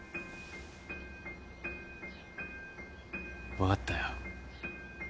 分かったよ。